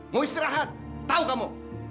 mau istirahat tahu kamu